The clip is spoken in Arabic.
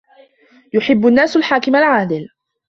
يُحِبُّ النَّاسُ الْحاكِمَ الْعَادِلَ.